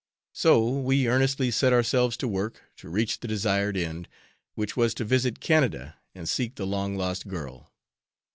So, we earnestly set ourselves to work to reach the desired end, which was to visit Canada and seek the long lost girl.